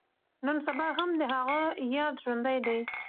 نن سبا هم د هغه ياد ژوندی دی.